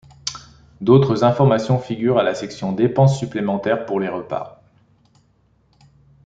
D’autres informations figurent à la section Dépenses supplémentaires pour les repas.